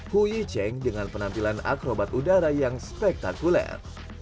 hui cheng dengan penampilan akrobat udara yang spektakuler